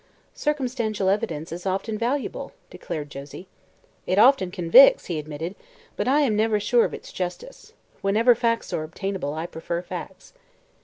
"Circumstantial evidence is often valuable," declared Josie. "It often convicts," he admitted, "but I am never sure of its justice. Whenever facts are obtainable, I prefer facts."